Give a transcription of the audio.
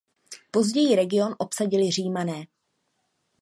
Později region obsadili Římané.